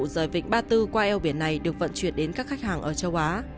rời vịnh ba tư qua eo biển này được vận chuyển đến các khách hàng ở châu á